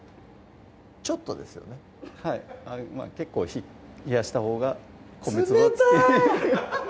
ちょっとですよねはいまぁ結構冷やしたほうが冷たい！